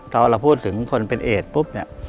พอเราพูดถึงคนเป็นเอกปุ๊บเนี่ย